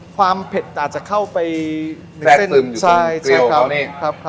ความเผ็ดอาจจะเข้าไปในเส้นแซ่ดซึมอยู่ตรงเกลียวของเขานี่ครับ